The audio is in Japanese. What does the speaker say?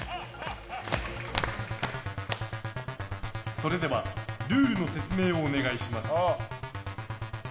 それではルールの説明をお願いします。